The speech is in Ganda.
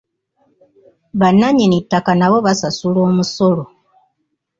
Bannannyini ttaka nabo basasula omusolo.